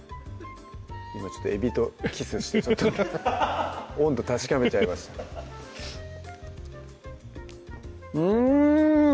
今ちょっとえびとキスして温度確かめちゃいましたうん！